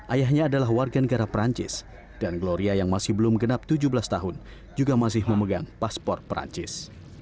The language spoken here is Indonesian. ayahnya adalah warga negara perancis dan gloria yang masih belum genap tujuh belas tahun juga masih memegang paspor perancis